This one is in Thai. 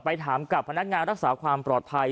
ถามกับพนักงานรักษาความปลอดภัย